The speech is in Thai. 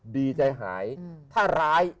ดีใจหายถ้าร้าย